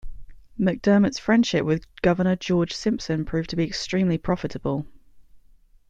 McDermot's friendship with Governor George Simpson proved to be extremely profitable.